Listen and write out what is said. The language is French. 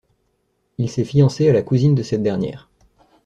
Il s'est fiancé à la cousine de cette dernière.